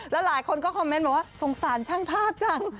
แล้วหลายคนก็คอมเมนต์บอกว่าสงสารช่างภาพจัง